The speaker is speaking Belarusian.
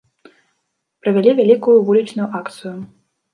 Правялі вялікую вулічную акцыю.